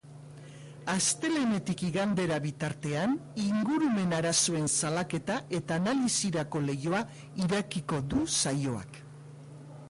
Astelehenetik igandera bitartean, ingurumen-arazoen salaketa eta analisirako leihoa irekiko du saioak.